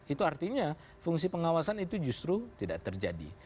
itu artinya fungsi pengawasan itu justru tidak terjadi